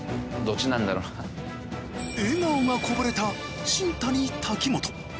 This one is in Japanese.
笑顔がこぼれた新谷滝本。